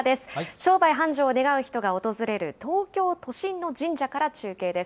商売繁盛を願う人が訪れる東京都心の神社から中継です。